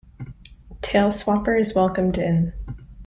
Taleswapper is welcomed in.